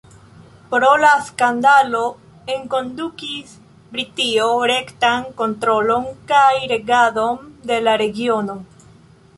Pro la skandalo enkondukis Britio rektan kontrolon kaj regadon de la regiono.